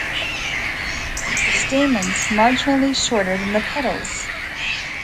The stamens marginally shorter than the petals.